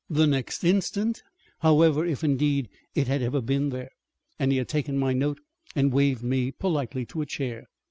The next instant it was gone, however (if indeed it had ever been there!), and he had taken my note and waved me politely to a chair."